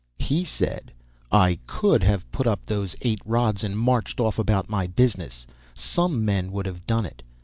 He said, "I could have put up those eight rods, and marched off about my business some men would have done it.